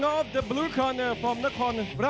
สวัสดีครับท้ายรับมวยไทยไฟเตอร์